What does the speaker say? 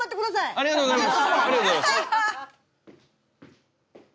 ありがとうございます。